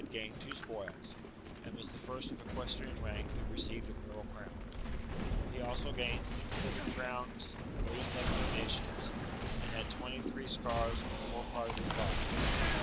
gained two spoils, and was the first of equestrian rank who re ceived a mural crown ; he also gained six civic crowns, thirty seven donations, and had twenty three scars on the fore part of his body.